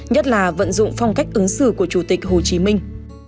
nhất là vận dụng phong cách ứng xử của chủ tịch hồ chí minh